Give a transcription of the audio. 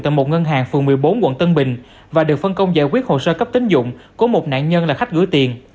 tại một ngân hàng phường một mươi bốn quận tân bình và được phân công giải quyết hồ sơ cấp tính dụng của một nạn nhân là khách gửi tiền